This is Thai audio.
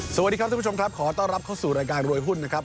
สวัสดีครับท่านผู้ชมครับขอต้อนรับเข้าสู่รายการรวยหุ้นนะครับ